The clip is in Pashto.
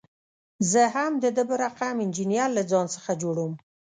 زه هم د ده په رقم انجینر له ځان څخه جوړوم.